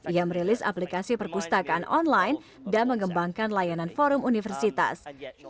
ia merilis aplikasi perpustakaan online dan mengembangkan layanan forum universitas